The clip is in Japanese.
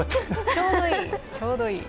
ちょうどいい。